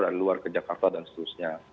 dari luar ke jakarta dan seterusnya